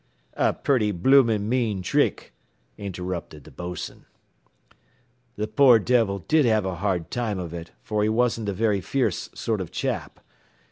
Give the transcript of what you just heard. "A purty bloomin' mean trick," interrupted the bos'n. "Th' poor divil did have a hard time av it, fer he wasn't a very fierce sort o' chap.